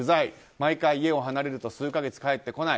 毎回家を離れると数か月帰ってこない。